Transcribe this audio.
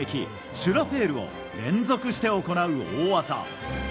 シュラフェールを連続して行う大技。